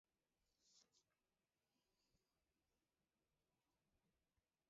Эн пытартыш верым — Микывыр Йыван ден Парпон Тайла.